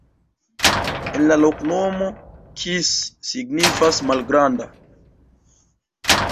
En la loknomo kis signifas: malgranda.